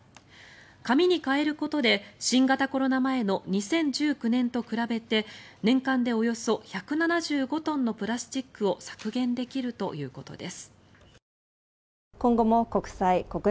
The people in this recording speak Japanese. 紙に変えることで新型コロナ前の２０１９年と比べて年間でおよそ１７５トンのプラスチックを削減できるということです。